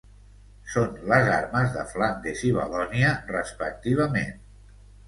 Són les armes de Flandes i Valònia respectivament.